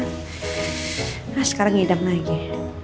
nah sekarang ngidam lagi